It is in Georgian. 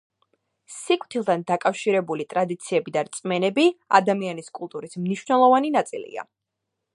სიკვდილთან დაკავშირებული ტრადიციები და რწმენები ადამიანის კულტურის მნიშვნელოვანი ნაწილია.